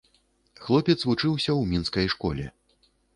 Хлопец вучыўся ў мінскай школе.